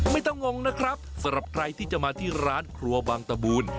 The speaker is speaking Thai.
งงนะครับสำหรับใครที่จะมาที่ร้านครัวบางตะบูน